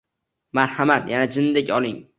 Marhamat, yana jindak oling.